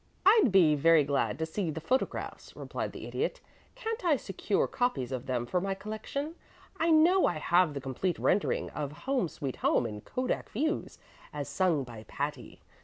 "I'd be very glad to see the photographs," replied the Idiot. "Can't I secure copies of them for my collection? You know I have the complete rendering of 'Home, Sweet Home' in kodak views, as sung by Patti.